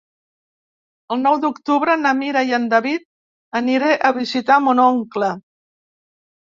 El nou d'octubre na Mira i en David aniré a visitar mon oncle.